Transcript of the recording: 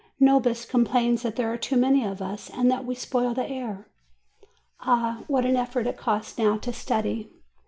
Nobis complains that there are too many of us, and that we spoil the air. Ah, what an effort it costs now to study!